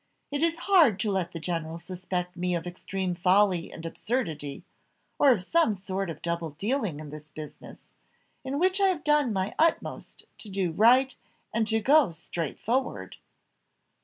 It is hard to let the general suspect me of extreme folly and absurdity, or of some sort of double dealing in this business, in which I have done my utmost to do right and to go straightforward."